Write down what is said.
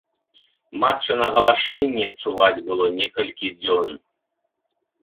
Матчына галашэнне чуваць было некалькі дзён.